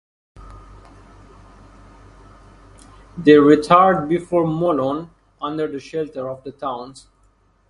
They retired before Molon under the shelter of the towns.